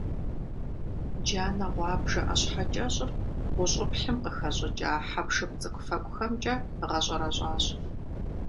Джанэ гъуабжэ ӀэщхьэкӀэщӀыр гъущӀыплъым къыхэщӀыкӀа хьэпшып цӀыкӀуфэкӀухэмкӀэ гъэщӀэрэщӀащ.